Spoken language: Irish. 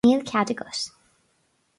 Níl cead agat.